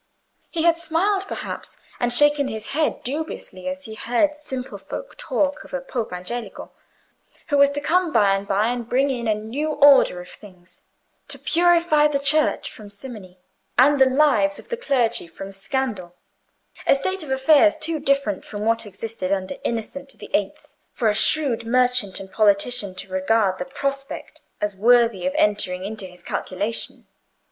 He had smiled, perhaps, and shaken his head dubiously, as he heard simple folk talk of a Pope Angelico, who was to come by and by and bring in a new order of things, to purify the Church from simony, and the lives of the clergy from scandal—a state of affairs too different from what existed under Innocent the Eighth for a shrewd merchant and politician to regard the prospect as worthy of entering into his calculations.